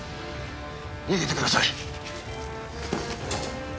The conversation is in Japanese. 逃げてください！